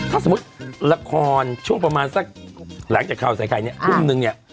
ถ้าสมมติละครช่วงประมาณหลังจากข่าวสายไขนี่มาคุ้มหนึ่ง